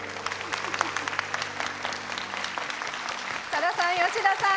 さださん、吉田さん